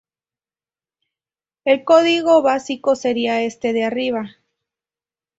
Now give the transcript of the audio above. El código básico seria este de arriba.